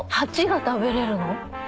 ８が食べれるの？